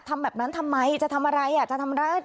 ทำแบบนั้นทำไมจะทำอะไร